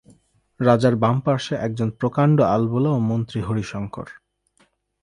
রাজার বামপার্শ্বে এক প্রকাণ্ড আলবােলা ও মন্ত্রী হরিশঙ্কর।